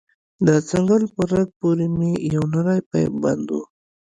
د څنگل په رگ پورې مې يو نرى پيپ بند و.